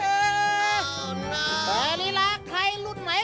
แต่ลีลาใครรุ่นไหน